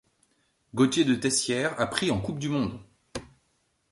Gauthier de Tessières a pris en Coupe du monde.